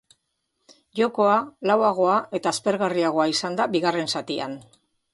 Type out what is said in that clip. Jokoa lauagoa eta aspergarriagoa izan da bigarren zatian.